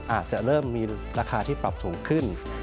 อาจจะเริ่มมีราคาที่ปรับสูงขึ้น